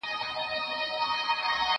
زه کتابونه ليکلي دي